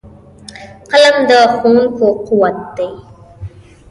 قلم د ښوونکو قوت دی